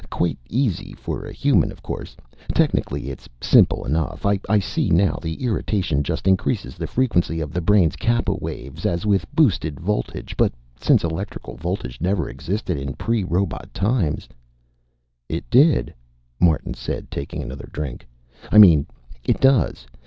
Quite easy for a human, of course. Technically it's simple enough, I see now. The irritation just increases the frequency of the brain's kappa waves, as with boosted voltage, but since electrical voltage never existed in pre robot times " "It did," Martin said, taking another drink. "I mean, it does.